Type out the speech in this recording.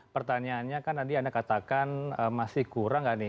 pertanyaannya kan tadi anda katakan masih kurang nggak nih